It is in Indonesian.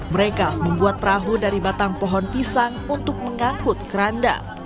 mereka membuat perahu dari batang pohon pisang untuk mengangkut keranda